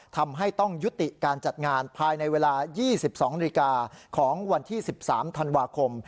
ทำให้ต้องยุติการจัดงานภายในเวลา๒๒นาฬิกาของวันที่๑๓ธันวาคม